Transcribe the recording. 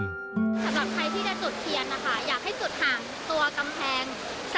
สำหรับใครที่จะจุดเทียนนะคะ